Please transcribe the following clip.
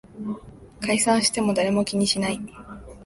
解散しても誰も気にしない